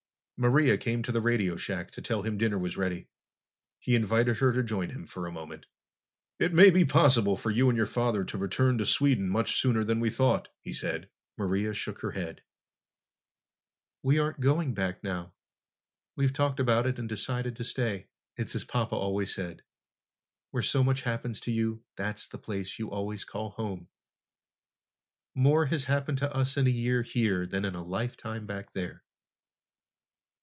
Maria came to the radio shack to tell him dinner was ready. He invited her to join him for a moment. "It may be possible for you and your father to return to Sweden much sooner that we thought," he said. Maria shook her head. "We aren't going back, now. We've talked about it and decided to stay. It's as Papa always said: Where so much happens to you, that's the place you always call home. More has happened to us in a year here than in a lifetime back there."